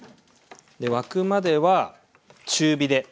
沸くまでは中火で。